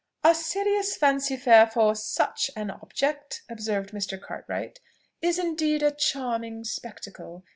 "A serious fancy fair for such an object," observed Mr. Cartwright, "is indeed a charming spectacle.